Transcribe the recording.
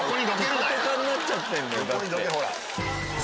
テカテカになっちゃってんだよ。